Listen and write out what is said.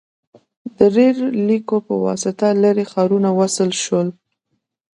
• د ریل لیکو په واسطه لرې ښارونه وصل شول.